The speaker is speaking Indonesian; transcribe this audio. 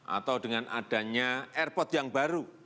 atau dengan adanya airport yang baru